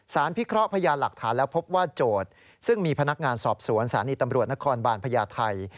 พิเคราะห์พยานหลักฐานแล้วพบว่าโจทย์ซึ่งมีพนักงานสอบสวนสถานีตำรวจนครบาลพญาไทย